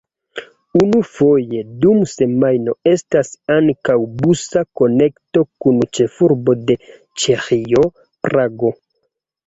Unufoje dum semajno estas ankaŭ busa konekto kun ĉefurbo de Ĉeĥio, Prago.